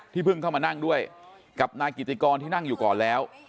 เพิ่งเข้ามานั่งด้วยกับนายกิติกรที่นั่งอยู่ก่อนแล้ว